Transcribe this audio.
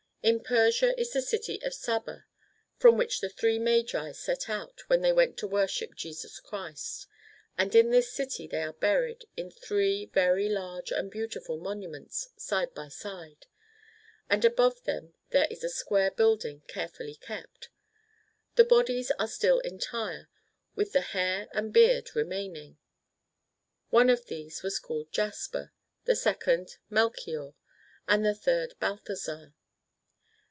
In Persia is the city of Saba, from which the Three Magi set out when they went to worship Jesus Christ ; and in this city they are buried, in three very large and beautiful monuments, side by side. And above them there is a square building, carefully kept. The bodies are still entire, with the hair and beard remaining. One of these was called Jaspar, the second Melchior, and the third Balthasar.